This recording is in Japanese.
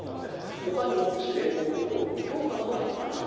ほかにも司令塔機能の強化などがあります。